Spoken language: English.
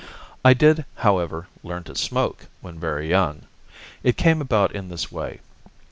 I did, however, learn to smoke when very young. It came about in this way.